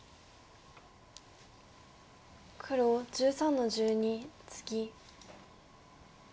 黒１３の十二ツギ。